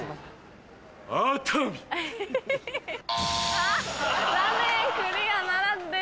あ残念クリアならずです。